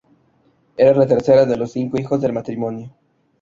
Era la tercera de los cinco hijos del matrimonio.